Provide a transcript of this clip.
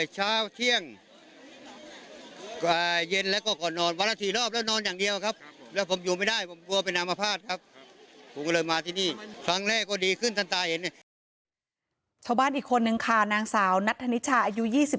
ชาวบ้านอีกคนนึงค่ะนางสาวนัทธนิชาอายุ๒๓